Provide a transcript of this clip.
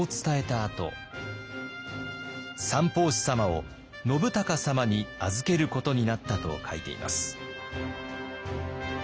あと「三法師様を信孝様に預けることになった」と書いています。